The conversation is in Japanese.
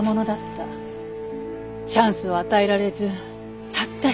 チャンスを与えられずたった